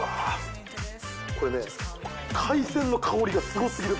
これ海鮮の香りがすご過ぎる。